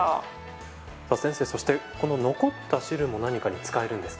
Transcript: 先生そしてこの残った汁も何かに使えるんですか？